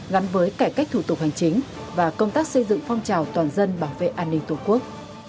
gắn với cải cách thủ tục hành chính và công tác xây dựng phong trào toàn dân bảo vệ an ninh tổ quốc